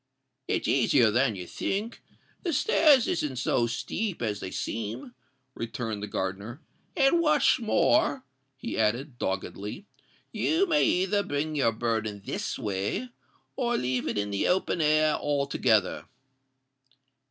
"It's easier than you think—the stairs isn't so steep as they seem," returned the gardener; "and what's more," he added, doggedly, "you may either bring your burden this way, or leave it in the open air altogether."